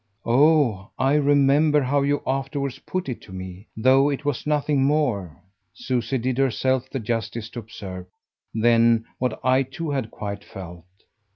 "Oh I remember how you afterwards put it to me. Though it was nothing more," Susie did herself the justice to observe, "than what I too had quite felt."